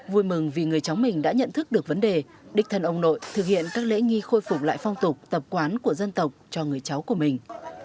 vui mừng vì người cháu mình đã nhận thức được vấn đề đích thân ông nội thực hiện các lễ nghi khôi phục lại phong tục tập quán của dân tộc cho người cháu của mình